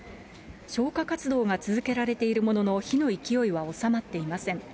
消火活動が続けられているものの、火の勢いは収まっていません。